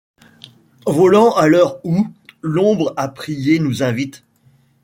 Volant à l’heure où, l’ombre à prier nous invite.